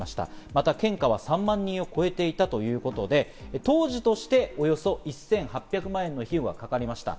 また献花は３万人を超えていたということで、当時としておよそ１８００万円の費用がかかりました。